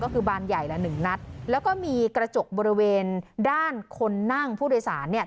ก็คือบานใหญ่ละหนึ่งนัดแล้วก็มีกระจกบริเวณด้านคนนั่งผู้โดยสารเนี่ย